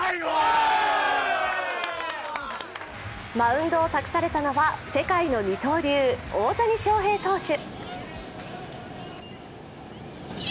マウンドを託されたのは世界の二刀流・大谷翔平投手。